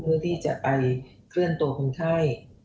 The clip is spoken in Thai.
เพื่อที่จะไปเคลื่อนตัวคนไข้